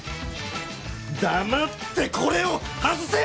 黙ってこれを外せ！